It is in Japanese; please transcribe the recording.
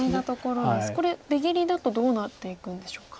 これ出切りだとどうなっていくんでしょうか？